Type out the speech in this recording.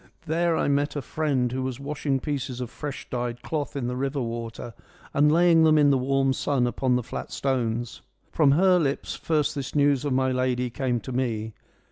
There I met a friend who was washing pieces of fresh dyed cloth in the river water and laying them in the warm sun upon the flat stones. From her lips first this news of my lady came to me.'